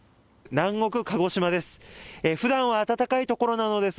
南国、鹿児島です。